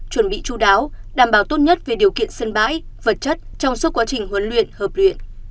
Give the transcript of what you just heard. chuẩn bị chú đáo đảm bảo tốt nhất về điều kiện sân bãi vật chất trong suốt quá trình huấn luyện hợp luyện